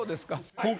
今回。